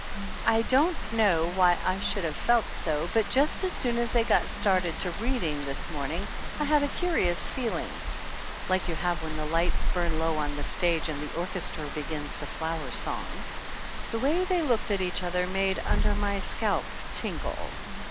I don't know why I should have felt so, but just as soon as they got started to reading this 25 THE ANNALS OF ANN morning I had a curious feeling, like you have when the lights burn low on the stage and the orchestra begins The Flower Song. The way they looked at each other made under my scalp tingle.